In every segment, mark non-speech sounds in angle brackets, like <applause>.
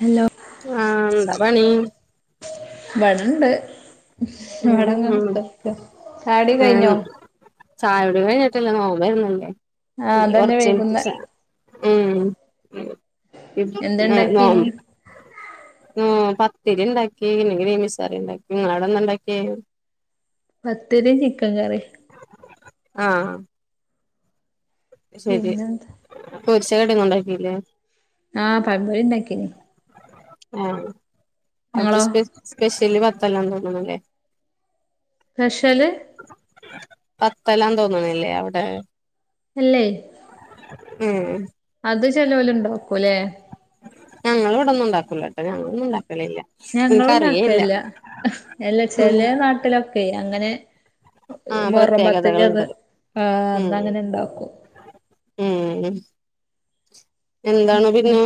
Hello ആഹ് എന്താ പണി വടണ്ട് ഉം ഉം വടങ്ങത്തക്ക ചാടി കഴിഞ്ഞോ കഴിഞ്ഞിട്ടല്ലേ നോരുന്നല്ലേ ആഹ് അതന്നെ കുറച്ച വൈകുന്നേ എ ഉം എന്താ ന്ന ഇണ്ടാക്കീന് ന്നോ പത്തിരി ഇണ്ടാക്കി ഇല്ലെങ്കിൽമിസാരി ഉണ്ടാക്കി നിങ്ങളോട ഒന്ന ഇണ്ടാക്കിയ പത്തിരിയും ചിക്കൻ കറി ആ പിന്നെന്താ പൊരിച്ച കടി ഒന്നും ഉണ്ടാക്കിയില്ലേ ആഹ് പഴമ്പൊരി ണ്ടാക്കീനി ആഹ് അവിടുത്തെ്പ സ്പെഷ്യല് ബത്തല്ല തോന്നുന്നുല്ലേ സ്പെഷ്യല് ബത്തെല തോന്നണല്ലേ അവിടെ അല്ലേ ഉം അത് ചിലവല ഉണ്ടോക്കൂല്ലേ ഞങ്ങളിവിടൊന്നും ഉണ്ടാക്കൂലട്ടോ ഞങ്ങളൊന്നും ഉണ്ടാക്കലില്ല ഞങ്ങള എനിക്കറിയേയില്ല ഉണ്ടാക്കേല്ല അല്ല ഉം ചെലേ നാട്ടിലൊക്കെ അങ്ങനെ ആഹ് മുറുമ്പത്ത്ന്റന്ന് പ്രത്യേകതകളുണ്ട് ആ അന്ന് ഉം അങ്ങനെ ഇണ്ടാക്കും ഉം എന്താണ് പിന്നെ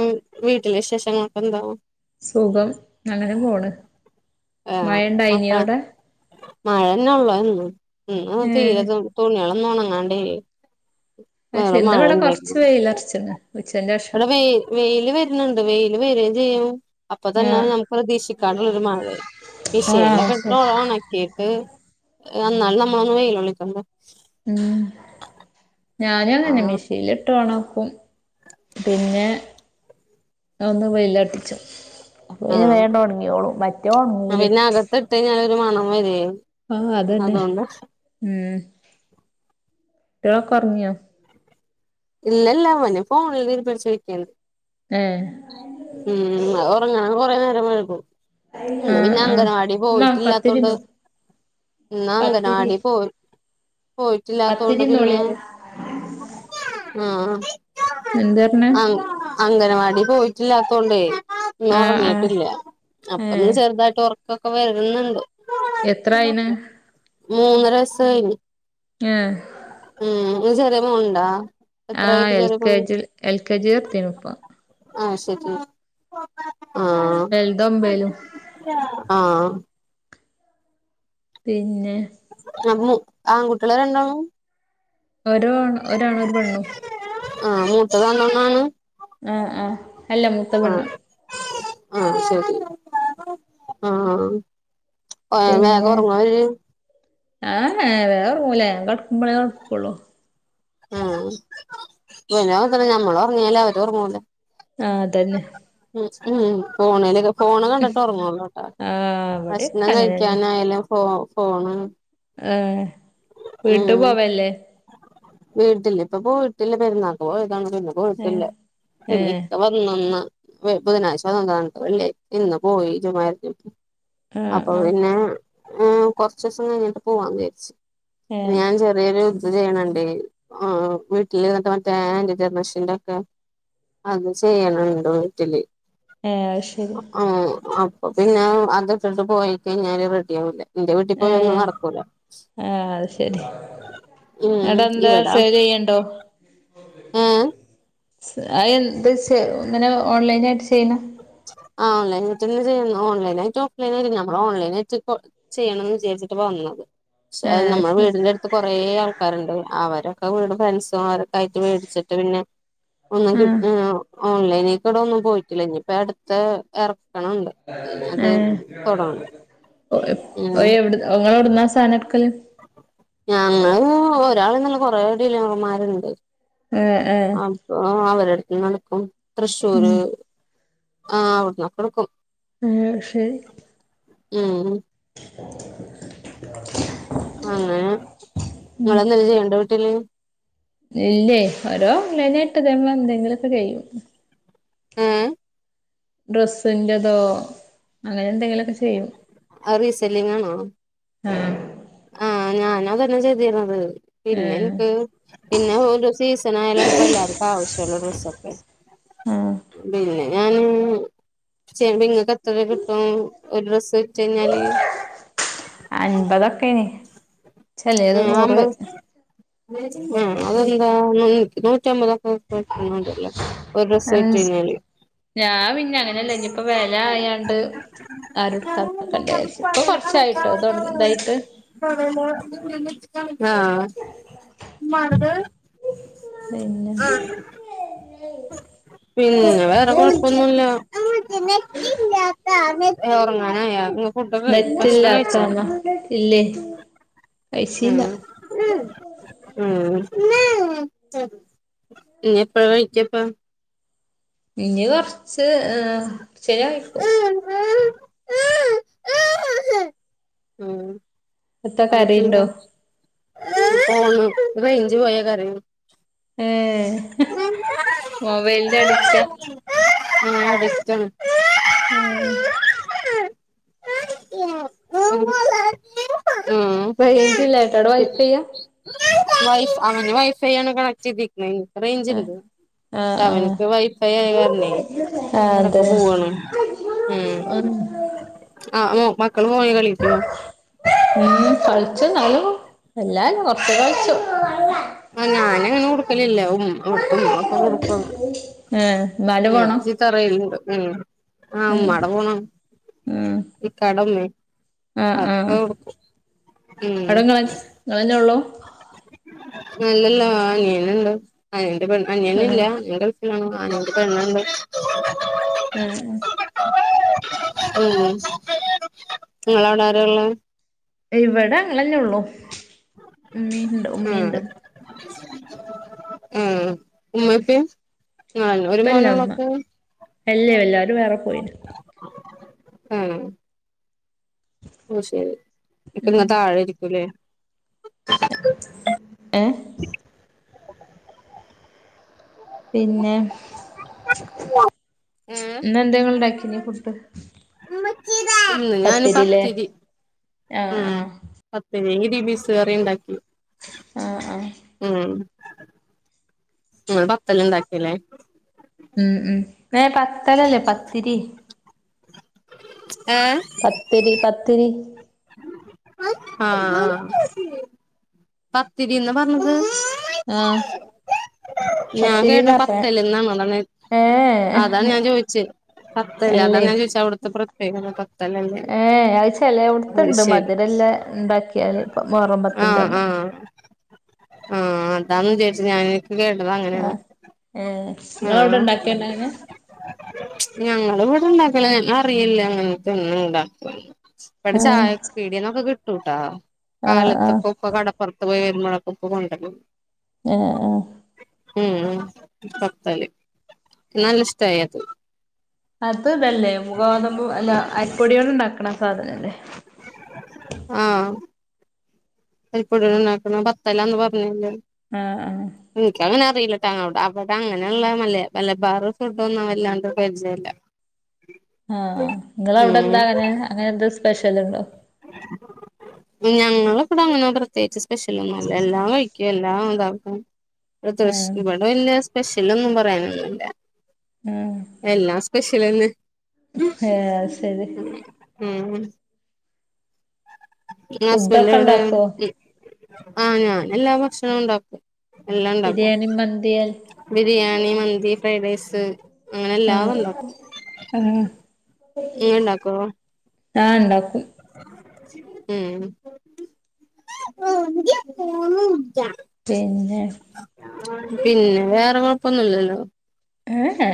വീട്ടിലെ വിശേഷങ്ങൾക്ക എന്താ സുഖം അങ്ങനെ പോണ് മഴ ഏഹ് മക്കളെ ഇണ്ടായിനവിടെ മഴന്നെ ഉള്ളു ഇന്ന് ഇന്ന് തീരെ ഏഹ് തുണികള ത ഉണങ്ങാണ്ട്ല്ലെ പക്ഷെ വേറെ ഇന്ന് ഇവിടെ മഴരുന്നു കൊറച്ച് വെയിലറച്ച്ണ് ഉച്ചന്റെ ശേഷം ഇവിടെ വെ വെയില് വരുന്നുണ്ട് വെൽ വ ചെയ്യും അപ്പൊ ആഹ് തന്നെയാണ് നമുക്ക് പ്രതീക്ഷിക്കാുള്ളൊരു മ വിശയല്ലാം ആഹ് ശരി പെട്ടോള ഉണക്കിട്ട് എന്നാാല നമ്മള ഒന്ന് വെയില വിളിിക്കുണ്ട് ഉം ഞാനും ങ്ങനെന്നെ ആഹ് മിഷീല് ഇട്ടു ഒണ പിന്നെ ഒന്ന് വെയിലാട്ടിച്ചു അപ്പൊ ഇന് വേ ണ്ട് ആഹ് ഉണങ്ങിയോളു മറ്റോണങ്ങൂലേ അതെ ആഹ് അതന്നെ ഉം കുട്ടിളൊക്ക ഒർങ്ങിയാ ഇല്ലല്ല മഞ്ഞ ഫോണിൽ ഇ പിച്ചോക്കത് ഏഹ് ഉം അത് ഒറങ്ങനും കൊറെ നേര വഴക്കും ഉന്ന് ആഹ് പിന്നെ ആഹ് അംഗൻവാടി ഉമ്മാ പോയിട്ടില്ലാത്തോണ്ട് പത്തിരിന്നോ ന്ന പത്തിരി അംഗനവാടി പോ പോയിട്ടില്ലാത്ത കൊണ്ട് പത്തിരിന്നോളി പിന്നെ പറ ആ എന്താ പറഞ്ഞെ അം അംഗനവാടി പോയിട്ടില്ലാത്തോണ്ടേ ആഹ് ആഹ് ഉറങ്ങീട്ടില്ല അപ്പൊന്ന് ഏഹ് ചെറുതായിട്ട് ഉറക്കൊക്കെ വരുന്നുണ്ട് എത്രായിണ് മൂന്നരവയസ് കയിഞ്ഞ് ഏ ഉം ചെറേ മോൻ ഇണ്ടാ ആഹ് L K G L K G എത്തിനിപ്പ ആ ശരി ആഹ് വലുത് ഒമ്പേലും ആഹ് പിന്നെ ആ ആൺകുട്ട്യളെ രണ്ടാളും ഓരോൺ ഒരാണ് ഒരു പെണ്ണു ആഹ് മൂത്തതാനോണാണ്? ആഹ് ആഹ് അല്ല മുൂത്തപെണ്ണ് ആഹ് ശരി ആഹ് ആഹ് ഏഹ് പിന്നെ വേഗോർങ്ങവര്? ആഹ് ഹെ വേറെ റൂമില കടക്കുമ്പോളേക്കള്ളു ഉം പിന്നെ ഞമ്മള് ഉറങ്ങിയാല് അവരെ ഓർങ്ങൂല ആഹ് അതന്നെ ഉം ഫോണില് ക ഫോണ് കണ്ടിട്ട് ഒറങ്ങോല്ലു ട്ടോ ആഹ് ഇവിടെക്കെ ഭക്ഷണം കഴിക്കാനായാലും ഫോ ഫോണ് ഏ വീട്ടു പോവേല്ലേ ട്ടില്ല ഇപ്പ പോയിട്ടില്ല പെരുന്നാ പോയതാണ് പിന്നെ ഏഹ് പോയിട്ടില്ല പിന്നെ ഏഹ് ഇക്ക പ ഒന്ന് ബുധനാഴ്ച വന്നണ് വെള്ളി ഇന്ന് പോയി ജുമാ ആഹ് അപ്പൊ ആഹ് പിന്നെ ഏ കൊറച്ചുസം കഴിഞ്ഞിട്ട് പോവാന്ന് വിചരിച്ചു ന്നെ ഏഹ് ഞാൻ ചെറിയൊരു ഇത് ചെയ്യണ്ണ്ടേ ആഹ് വീട്ടിൽ ഇങ്ങത്തെ മറ്റേ ആന്റി ടെർനഷീന്റെ ഒക്കെ അത് ചെയ്യ്ണ്ണ്ട് വീട്ടില് ഏഹ് അത് ശരി ആഹ് അ പൊ പിന്നെ അതൊക്കെ ഇട്ട് പോയി കഴിഞ്ഞാല് റെഡി ആവൂല്ല ന്റെ വീട്ടി പോയ ഒന്നും ഏഹ് നടക്കൂല ആഹ് അത് ശരി ഉം അവിടെ എന്താ ഇവിടാ സെയിൽ ചെയ്യണ്ടോ എഹ് സ് അതെന്ത് ചെ ഇങ്ങനെ ഓൺലൈനായിട്ട് ചെയ്യ്ണ ആഹ് ഓൺലൈനായിട്ട് തന്നാ ചെയ്യന്നാ ഓൺലൈനായിട്ടും ഓഫ്‌ലൈനയിട്ട് നമ്മള് ഓൺലൈനായിട്ട് ഇപ്പ ചെയ്യണംന്ന് വിചാരിച്ചിട്ടപ്പം വന്നത് ക്ഷെ ആഹ് അത് നമ്മളെ ശരി വീടിന്റെ അടുത്ത് കൊറെ ആൾക്കാരുണ്ട് അവരെ കെ വീട് ഫ്രണ്ട്സും ആരൊക്കെ ആയിട്ട് മേടിച്ചിട്ട് പിന്നെ ഒന്നും കിട്ട് ഓൺലൈനേകിടെ ഒന്നും പോയിട്ടില്ല ഇനി ഇപ്പ അടുത്തെ എറ എഹ് ഉം എവി ങ്ങളെ എവിട്ന്നാ സാധന ഞങ്ങള് ഒരാളന്നുല്ല കൊറേ ഡിലാർമാര്ണ്ട് ആഹ് ആഹ് അപ്പൊ അവരുട്ത്ത്ന്നാണ്പ്പം ഉം തൃശ്ശൂര് ആഹ് ആവിടുന്ന അപക്കും എഹ് അശരി ഉം അങ്ങനെ നിങ്ങെന്തല്ല ചെയ്യേണ്ട വീട്ടിന്ന് ഇല്ലേയ് ഓരോമെന ഇട്ട് നമ്മള എന്തെങ്കിലൊക്കെ ചെയ്യും ഏ ഡ്രസ്സിന്റതോ അങ്ങനെ എന്തെങ്കിലുമൊക്കെ ചെയ്യും അയ് റീസല്ലിങ്ങ് ആണോ ആഹ് ആഹ് ഞാനതാന്നെ ചെയ്തിരിന്നാത് പിന്നെ ആഹ് എനിക്ക് പിന്നെ ഒരു സീസൺ ആയാലാണ് എല്ലാർക്കും ആവശ്യള്ള ഡ്രസ്സൊക്കെ ആഹ് പിന്നെ ഞാന് ചെയ്യുമ്പോ നിങ്ങൾക്ക് എത്രകിട്ടും ഒരു ഡ്രസ്സ് വിറ്റ് കഴിഞ്ഞാല് അൻപതൊക്കെയ്നി ആ അമ്പത് ആ അതൊന്താ നൂറ്റമ്പത് <unintelligible> അതല്ല ഒരു ഡ്രസ്സ് വിറ്റ് കഴിഞ്ഞാല് ഞാൻ പിന്നെ അങ്ങനെയല്ലേ ഇഞ്ഞ് യിപ്പോ വില ആയാണ്ട് ആരും എടുക്കാതക്കണ്ടയെവി ഇപ്പൊ കൊറച്ചായിട്ടോ തുടങ്ങി ഇതായിട്ട് <unintelligible> ആഹ് ഉമ്മാരത് പിന്നെ ആഹ് പിന്നെ വേറെ കൊഴപ്പൊന്നുല്ല ഒറങ്ങാനായോ നിങ്ങ് ഫുഡൊക്കെ കഴി ഭക്ഷണം കഴിച്ചാ നെറ്റില്ലാത്താന്ന ഇല്ലേ കഴിച്ചില്ല ഉം ഉം ഇഞ്ഞെപ്പഴയാ കഴിക്കപ്പാ ഇഞ്ഞ് കൊറച്ച് കൊറച്ചെയ്ഞ്ഞാഴിക്കും ഉം എത്ത കരയുണ്ടോ <unintelligible> ആണ് റേഞ്ച് പോയ കരയും ഏ മൊബൈലിന്റെ അഡിക്റ്റാ <unintelligible> <unintelligible> ആഹ് <unintelligible> റൈഞ്ച് ഇല്ലാഞ്ഞിട്ട അവിടെ വൈഫൈയാ വൈഫ അവന് വൈഫൈ ആണ് കണക്ട് ചെയ്തി ഞാങ്ങൾക് റൈഞ്ച് ആ ഇണ്ട് ആ ക്ഷേ ആ അവൻക്ക് വൈഫൈ ആയ കാരണേ ആ ഇടക്ക് അതെ പോവാണ് ഉം ആന്നോ മക്കൾ പോയി കളിക്കോ ഉം കളിച്ചു എന്നാലും വല്ലാല്ല കൊറച്ചൊക്കെ കളിച്ചും ഇല്ല ഉം അവിട്ത്തെ ഉമ്മൊക്കെ കൊടുക്കുവന് ഏഹ് നാല് ഞാൻ പോണം ചീത്തപറയില്ണ്ട് ഉം ആ ഉം ഉമ്മാടെ ഫോണാണ് ഉം ഇക്കാടെ ഉമ്മേ ആഹ് അവരൊക്കെ ആഹ് കൊടുക്കും ഉം അവിടെ നിങ്ങൾ തന്നെ ഉള്ളൂ അല്ലല്ലാ അനിയനുണ്ട് അനിയന്റെ പെണ്ണ് അനിയന് ആഹ് ഇല്ല <unintelligible> പെണ്ണ്ണ്ട് ഉം ഉം ഇങ്ങളെ അവിടെ ആരാള്ളെ ഇവിടെ ഞങ്ങളെന്നെ ഉള്ളു ഉമ്മീണ്ട് ഉമ്മീണ്ട് ഉം ഉമ്മിം ഇപ്പിം ആഹ് ഒരു ഇപ്പല്ല മോനോള്ളോ ഉമ്മ ഓക്ക് അല്ലേ എല്ലാരും വേറെ പോയിന് ഉം ഓ ശരി ഇപ്പം ഉം നിങ്ങൾ താഴേയിരിക്കൂലേ ഏഹ് പിന്നെ ഇന്ന് എന്തേ ഇങ്ങള് ണ്ടാക്കി നി ഏഹ് ഫുഡ്‌ ഇന്ന് ഞാന് പത്തിരി ആഹ് ആഹ് ഗ്രീൻബീസ് കറി ഇണ്ടാക്കി ആഹ് ആഹ് ഉം ഇങ്ങള് ബത്തല് ഇണ്ടാക്കിയല്ലേ ഉം ഉം ബത്തലല്ലാ പത്തിരി <inaudible> പത്തിരി പത്തിരി ആഹ് ആ പത്തിരി ന്നാ പറഞ്ഞത് ആഹ് ഞാൻ പത്തിരി കേട്ട ന്നാ പത്തല്ന്നാണ് അതാണ് പറഞ്ഞേ ഏ ഏ അതാണ് ഞാൻ ചോദിച്ചേ പത്തല് അതാണ് അല്ലേ ഞാൻ ചോദിച്ചെ അവിടുത്തെ പ്രത്യേകത പത്തലല്ലേ ഏഹ് അത് അത് ചെലോട്ത്ത്ണ്ട് ശരി മധുരല് ലെ ഇണ്ടാക്കിയാല് മുഹറം പത്തിന്റെ അന്ന് ആഹ് അതാന്ന്ന് വിചാരിച്ചു ഞാന് വേണ്ടത് അങ്ങനെയാണ് ആഹ് ഏഹ് ഇങ്ങളവിടെ ഉം ഇണ്ടാക്കേണ്ട അങ്ങനെ ഞങ്ങള് പ ണ്ട് ണ്ടാക്കുല ഞങ്ങൾ അറിയില്ല അങ്ങനത്തെ ഒന്നും ഉണ്ടാക്കുന്ന് ഇവിടെ ആഹ് ചായ പീടിയന്നൊക്കെ കി ട്ടുട്ടാ ആഹ് ആഹ് കാലത്തക്ക് പുറത്ത് പോയി വരുമ്പോഴക്കെ ഉപ്പ കൊണ്ട് വരും ആഹ് ആഹ് ഉം ഉം പത്തല് നല്ല ഇഷ്ടായി അത് അത് ഇത്‌ല്ലേ ഗോതമ്പു അല്ല അരിപ്പൊടികൊണ്ട് ഉണ്ടാക്കണ സാധനല്ലേ ആഹ അപ്പൊഴ ഉണ്ടാക്കണം പത്തല്ലന്ന് പറഞ്ഞല്ല ആഹ് എനിക്ക അങ്ങനെ അറിയില്ല അവിടെ അങ്ങനെയുള്ള മല്ല മലബാർ ഫുഡ ഒന്നും വല്ലാണ്ട് പരിചയമല്ല ആഹ നിങ്ങ അവിടെ എന്താ അങ്ങനെ അങ്ങനെ എന്താ സ്പെഷ്യൽുണ്ടോ ഞങ്ങ ഇടെ അങ്ങനെ പ്രത്യേകിച്ച് സ്പെഷ്യൽ ഒന്നുംല്ല എല്ലാം കഴിക്കും എല്ലാം ഇതാവ ആഹ് ഇവിട ഇല്ല സ്പെഷ്യൽൊന്നും പറയാനൊന്നുമല്ല എല്ലാ സ്പെഷ്യൽന്ന് ഹ ഉ ഉം ഫുഡൊക്കെ ഹസ്ബൻഡവിടെ ഇണ്ടാക്കോ ആഹ ഞാൻ എല്ലാ ഭക്ഷണ ഉണ്ടാക്കും എല്ലാം ഇണ്ടാക്കും ബിരിയാണി മന്തി ബിരിയാണി മന്തി ഫ്രൈഡ് റൈസ് അങ്ങനെ എല്ലാം ആഹ ആഹ ഏ ഉണ്ടാക്കോ ആഹ ഉണ്ടോ ആ ഉം പിന്നെ പിന്നെ വേറെ കൊഴപ്പൊന്നുംല്ലല്ലോ ഏഹ്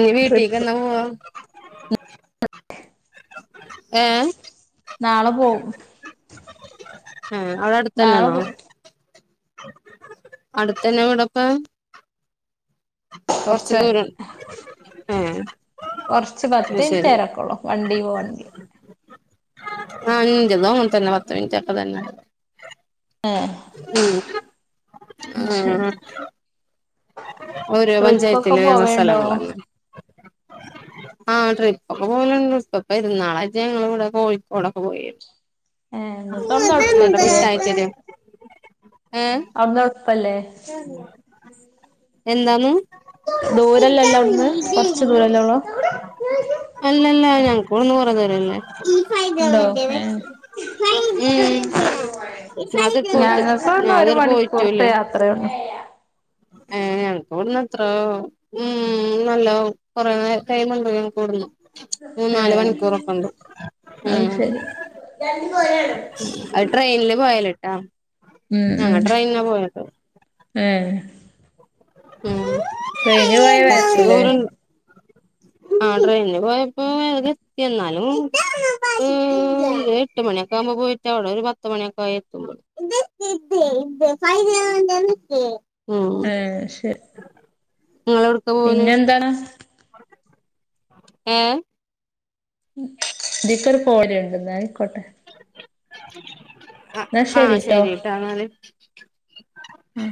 ന വീട്ടി ട്രിപ്പ് കന്ന പോ നാളെ പോകവും ആഹ അവിടെ അടുത്തതന്നെയാണോ അടുത്തന്നെ ഇവിടപ്പ കുറച്ച ഏഹ് കൊറച്ച് അത് പത്തേ ശരി ചേരക്കൊളൂ വണ്ടി പോവണെങ്കിൽ ആഹ ഇഞ്ചതന്ന് തന്നെ പത്ത് മിനിറ്റ് ഒക്കെ തന്നെ ഏഹ് ഉം ആഹ ശരി ഓരോ ട്രിപ്പൊക്കെ പഞ്ചായത്തില പോവേണ്ടോ സ്ഥലങ്ങളല്ലേ ആഹ ട്രിപ്പ് ഒക്കെ പോലുണ്ട് ഇ ഇപ്പ ഇരുന്നാളാച്ച ഞങ്ങ ഇവിടെ കോഴിക്കോടൊക്കെ പോയിരുന്നു ഏഹ് ഇങ്ങക്ക് അവ്ട്ന്ന് ഇ്ട എളുപ്പേക്കുലേ ആത്തത് അവിന്ന ഉഴപ്പല്ലേ എന്താണ് ദൂരല്ലല്ല അവിടുന്ന് കൊറച്ച് ദൂരല്ലേ ഉള്ള അല്ലല്ല ഞങ്ങക്കന്ന പോറത് ഫൈദ ഇണ്ടോ ല ഏഹ് അത പോയിട്ട ഞങ്ങക്ക് അവ്ട്ന്ന് ഒരു അത മണിക്കൂർത്തെ പോയിറ്റുല്ലേ യാത്രയൊള്ളൂ ഏ ഞങ്ങക്ക് ടുന്ന എത്രോ ഉ നല്ല കൊറേ ടൈമ ഉണ്ടോ ഞങ്ങക്ക് ഓടുന്നു മൂന്ന നാല് ഏഹ് മണിക്കൂറൊക്കെ ഉണ്ട് ഉ അത് ശരി അത് ട്രെയിനിില് പോയാലട്ട് ആ ഉം ഞങ്ങ ട്രയിന പോയട്ടോ ഉം പനി പോയ കൊറച്ച് വയപ്പലേ ദൂരണ്ട് ആ ട്രെയിനിൽ പോയപ്പോ ഏ എത്തി എന്നാലും എട്ട മണി ുമ്പോ പോയിട്ട് അവിടെ ഒരു പത്ത മണിയൊക്കെ ആ എത്തുമ്പോ ആഹ ശരി നിങ്ങള എവിടക്ക പോല പിന്നെന്താണ് ആഏ ിക്കർ പോലുണ്ട്െന്നായിക്കോട്ടെ ആ ആഹ് ശരിട്ടോ ശരിട്ടാ എന്നാല്. ഉം